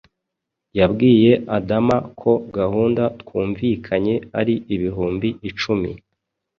yabwiye adama ko gahunda twumvikanye ari ibihumbi icumi